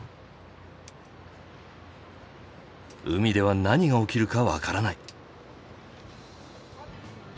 海では何が起きるか分からない。